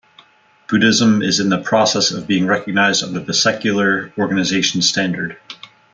Buddhism is in the process of being recognized under the secular organization standard.